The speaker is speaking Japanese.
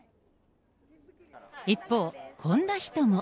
一方、こんな人も。